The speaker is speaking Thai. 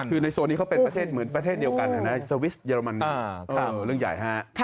คือในโซนนี้เขาเป็นประเทศเหมือนประเทศเดียวกันนะสวิสเยอรมันเรื่องใหญ่ฮะ